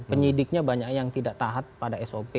penyidiknya banyak yang tidak taat pada sop